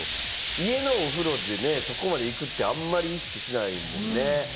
家のお風呂でね、そこまで行くってあんまり意識しないもんね。